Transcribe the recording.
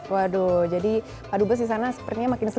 waduh jadi pak dubes di sana sepertinya makin sempur